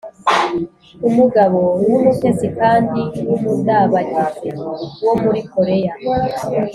Umugabo w umutesi kandi w umudabagizi wo muri korea